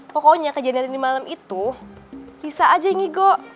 pokoknya kejadian ini malam itu risa aja yang ngigo